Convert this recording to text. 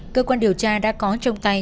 cơ quan điều tra đã có trong tay